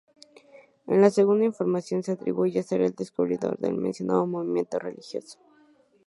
En la segunda información se atribuye ser el descubridor del mencionado movimiento religioso.